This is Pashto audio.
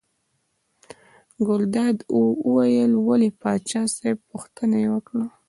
ګلداد وویل ولې پاچا صاحب پوښتنه یې وکړه.